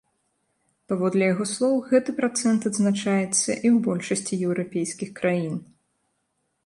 Паводле яго слоў, гэты працэнт адзначаецца і ў большасці еўрапейскіх краін.